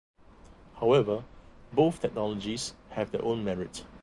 However, both technologies have their own merit.